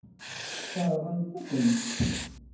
Sseṛɣent-akent-tt.